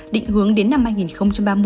định hướng đến năm hai nghìn ba mươi